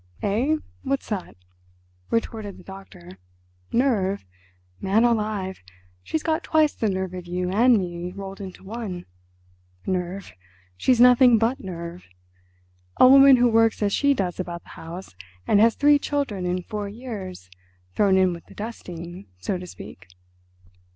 "Eh, what's that?" retorted the doctor. "Nerve! Man alive! She's got twice the nerve of you and me rolled into one. Nerve! she's nothing but nerve. A woman who works as she does about the house and has three children in four years thrown in with the dusting, so to speak!"